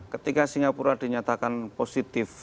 ketika singapura dinyatakan positif